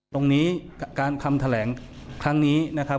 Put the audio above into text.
ตรงนี้การคำแถลงครั้งนี้นะครับ